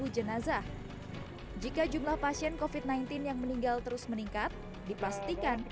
jenazah jika jumlah pasien kofit sembilan belas yang meninggal terus meningkat dipastikan